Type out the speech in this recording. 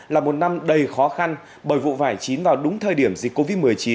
là một năm đầy khó khăn bởi vụ vải chín vào đúng thời điểm dịch covid một mươi chín